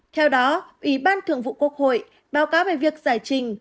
theo đó ủy ban thường vụ quốc hội báo cáo về việc giải trình